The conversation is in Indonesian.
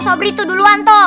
sobri tuh duluan tuh